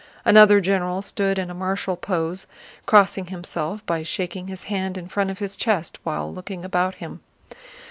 Another general stood in a martial pose, crossing himself by shaking his hand in front of his chest while looking about him.